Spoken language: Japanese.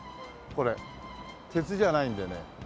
これ鉄じゃないんでね。